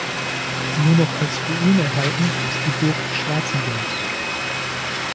Nur noch als Ruine erhalten ist die Burg Schwarzenberg.